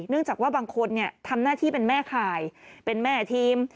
จากว่าบางคนทำหน้าที่เป็นแม่ข่ายเป็นแม่ทีม